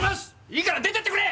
いいから出てってくれ！